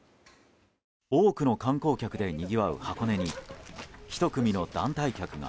多くの観光客でにぎわう箱根に１組の団体客が。